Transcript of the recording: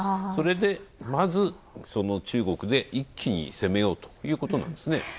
それで、まず中国で一気に攻めようということなんですね。